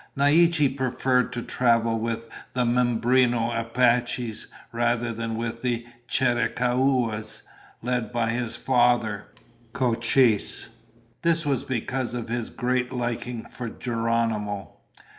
Naiche preferred to travel with the Mimbreno Apaches rather than with the Chiricahuas led by his father, Cochise. This was because of his great liking for Geronimo.